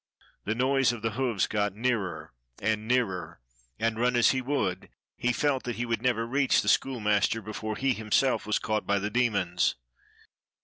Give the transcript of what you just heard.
The noise of the hoofs got nearer and nearer, and run as he would, he felt that he would never reach the schoolmaster before he himself was caught by the demons.